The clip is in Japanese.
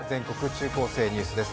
中高生ニュース」です。